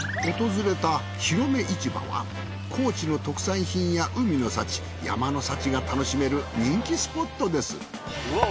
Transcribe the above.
訪れたひろめ市場は高知の特産品や海の幸山の幸が楽しめる人気スポットです。